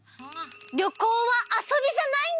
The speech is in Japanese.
りょこうはあそびじゃないんだよ！